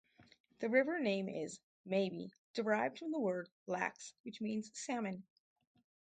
The river name is, maybe, derived from the word "lax" which means "salmon".